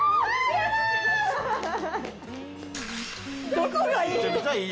どこがいい？